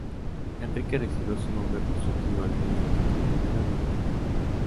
Enrique recibió su nombre por su tío, el rey Enrique I de Inglaterra.